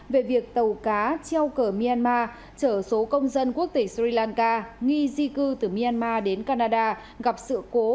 về việc tàu cá treo cờ myanmar trở số công dân quốc tịch sri lanka nghi di cư từ myanmar đến canada gặp sự cố